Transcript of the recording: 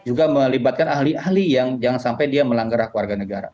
juga melibatkan ahli ahli yang jangan sampai dia melanggar hak warga negara